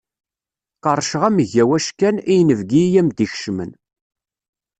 Qerrceɣ-am egg awackan i yinebgi i am-d-ikecmen.